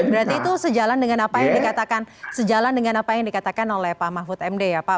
berarti itu sejalan dengan apa yang dikatakan oleh pak mahfud md ya pak